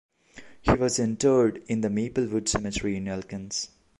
He was interred in the Maplewood Cemetery in Elkins.